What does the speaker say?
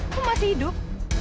kamu masih hidup